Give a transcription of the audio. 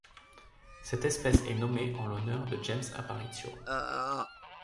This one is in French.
Cette espèce est nommée en l'honneur de James Aparicio.